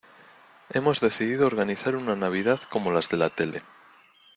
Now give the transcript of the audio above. hemos decidido organizar una Navidad como las de la tele